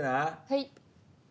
はい。